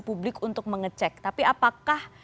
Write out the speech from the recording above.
publik untuk mengecek tapi apakah